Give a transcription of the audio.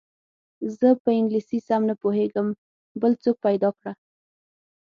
زه په انګلیسي سم نه پوهېږم بل څوک پیدا کړه.